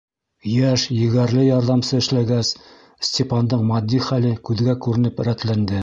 Йәш, егәрле ярҙамсы эшләгәс, Степандың матди хәле күҙгә күренеп рәтләнде.